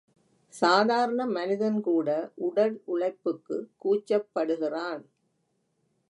சாதாரண மனிதன்கூட உடலுழைப்புக்கு கூச்சப்படுகிறான்.